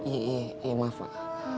iya maaf pak